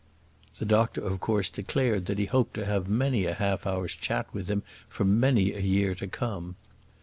The doctor of course declared that he hoped to have many a half hour's chat with him for many a year to come.